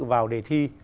vào đề thi